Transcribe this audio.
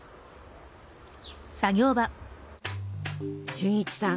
俊一さん